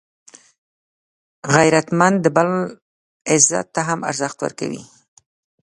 غیرتمند د بل عزت ته هم ارزښت ورکوي